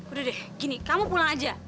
udah deh gini kamu pulang aja